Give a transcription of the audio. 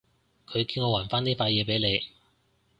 佢叫我還返呢塊嘢畀你